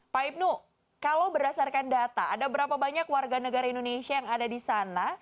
pak ibnu kalau berdasarkan data ada berapa banyak warga negara indonesia yang ada di sana